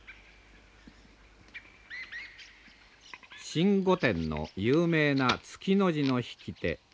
新御殿の有名な月の字の引き手。